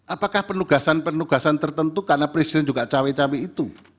apakah penugasan penugasan tertentu karena presiden juga cawe cawe itu